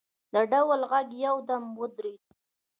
د ډول غږ یو دم ودرېد.